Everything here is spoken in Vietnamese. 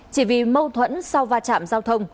chỉ vì mâu thuẫn sau va chạm giao thông